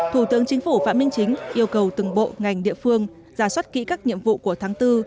thủ tướng chính phủ phạm minh chính yêu cầu từng bộ ngành địa phương giả soát kỹ các nhiệm vụ của tháng bốn